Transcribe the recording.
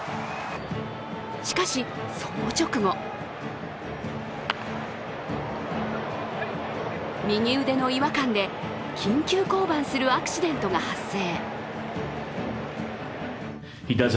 しかし、その直後右腕の違和感で緊急降板するアクシデントが発生。